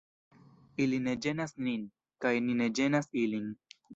Ili ne ĝenas nin, kaj ni ne ĝenas ilin.